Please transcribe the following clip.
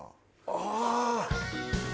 ああ！